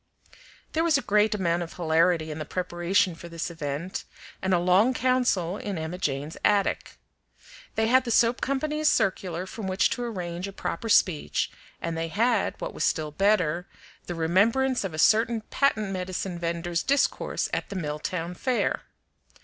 There was a great amount of hilarity in the preparation for this event, and a long council in Emma Jane's attic. They had the soap company's circular from which to arrange a proper speech, and they had, what was still better, the remembrance of a certain patent medicine vender's discourse at the Milltown Fair.